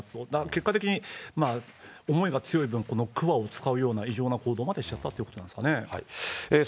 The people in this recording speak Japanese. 結果的に思いが強い分、くわを使うような異常な行動までしちゃったってことなんですかね。